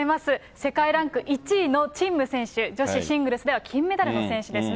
世界ランク１位の陳夢選手、女子シングルスでは金メダルの選手ですね。